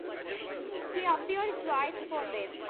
He appeared twice for them.